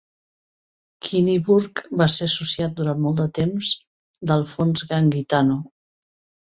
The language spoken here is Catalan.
Kinniburgh va ser associat durant molt de temps d'Alphonse Gangitano.